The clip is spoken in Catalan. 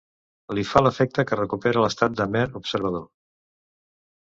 Li fa l'efecte que recupera l'estat de mer observador.